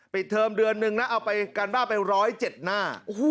เทอมเดือนนึงนะเอาไปการบ้าไป๑๐๗หน้า